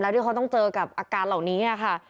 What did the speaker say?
ที่เขาต้องเจอกับอาการเหล่านี้ค่ะ